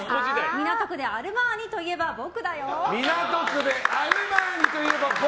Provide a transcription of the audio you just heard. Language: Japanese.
港区でアルマーニといえば僕だよ！